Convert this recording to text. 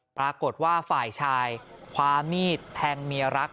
ปรากฏว่าฝ่ายชายคว้ามีดแทงเมียรัก